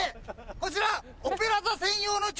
こちら！